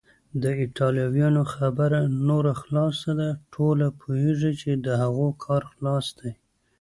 د ایټالویانو خبره نوره خلاصه ده، ټوله پوهیږي چې د هغوی کار خلاص دی.